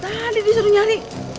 dari tadi disuruh nyari